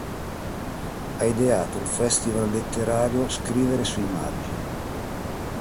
Ha ideato il festival letterario "Scrivere sui margini".